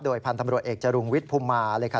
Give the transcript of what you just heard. พันธุ์ตำรวจเอกจรุงวิทย์ภูมิมาเลยครับ